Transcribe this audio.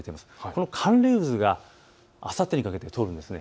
この寒冷渦があさってにかけて通るんです。